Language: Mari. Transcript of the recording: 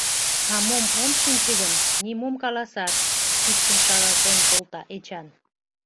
А мом ом шинче гын, нимом каласаш, — кидшым шаралтен колта Эчан.